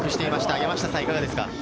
山下さん、いかがですか？